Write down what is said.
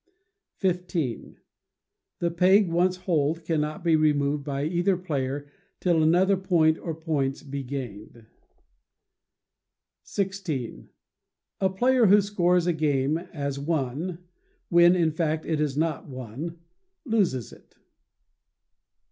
xv. The peg once holed cannot be removed by either player till another point or points be gained. xvi. The player who scores a game as won when, in fact, it is not won, loses it.